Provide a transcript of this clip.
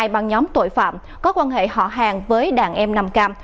hai băng nhóm tội phạm có quan hệ họ hàng với đàn em nằm cạm